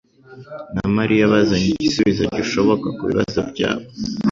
na Mariya bazanye igisubizo gishoboka kubibazo byabo.